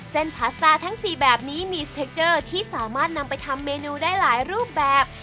พาสตาร์ทั้ง๔แบบนี้มีสเทคเจอร์ที่สามารถนำไปทำเมนูได้หลายรูปแบบ